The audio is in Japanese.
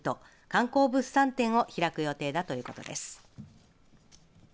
観光物産展を開く予定だということです。